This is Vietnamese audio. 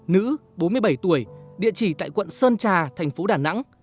nữ bốn mươi bảy tuổi địa chỉ tại quận sơn trà thành phố đà nẵng